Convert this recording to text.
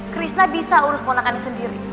krisna bisa urus ponakannya sendiri